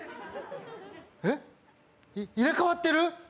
えっ、入れ替わってる？